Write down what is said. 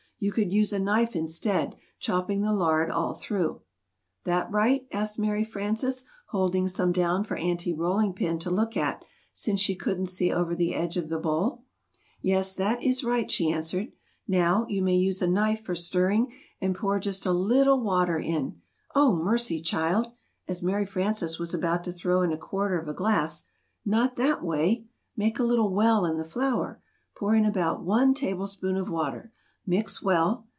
You could use a knife instead, chopping the lard all through." [Illustration: "You'll do enough, child."] "That right?" asked Mary Frances, holding some down for Aunty Rolling Pin to look at, since she couldn't see over the edge of Bowl. "Yes, that is right," she answered. "Now, you may use a knife for stirring and pour just a little water in oh, mercy! child! (as Mary Frances was about to throw in a quarter of a glass) not that way! Make a little 'well' in the flour. Pour in about one tablespoon of water. Mix well.